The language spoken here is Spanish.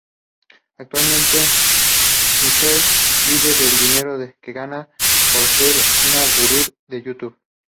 Actualmente, Michelle vive del dinero que gana por ser una gurú de Youtube.